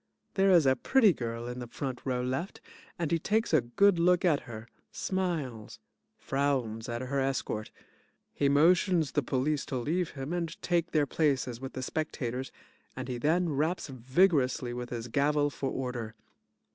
There is a PRETTY GIRL in the front row left, and he takes a good look at her, smiles, frowns at her escort. He motions the police to leave him and take their places with the spectators and he then raps vigorously with his gavel for order.